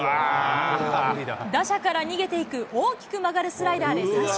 打者から逃げていく大きく曲がるスライダーで三振。